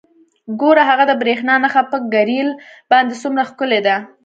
ګوره هغه د بریښنا نښه په ګریل باندې څومره ښکلې ده